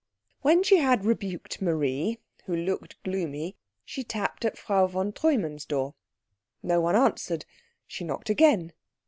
When she had rebuked Marie, who looked gloomy, she tapped at Frau von Treumann's door. No one answered. She knocked again.